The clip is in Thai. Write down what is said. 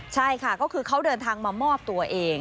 ใช่ค่ะก็คือเขาเดินทางมามอบตัวเอง